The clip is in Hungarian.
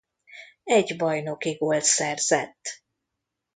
Egy bajnoki gólt szerzett.